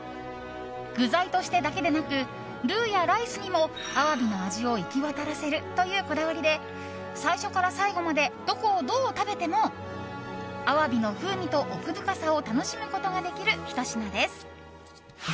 具材としてだけでなくルーやライスにもアワビの味をいきわたらせるというこだわりで最初から最後までどこをどう食べてもアワビの風味と奥深さを楽しむことができる、ひと品です。